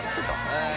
へえ。